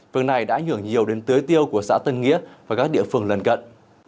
vườn này đã nhường nhiều đến tưới tiêu của xã tân nghĩa và các địa phương lần gận